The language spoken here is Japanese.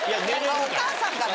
お母さんかな？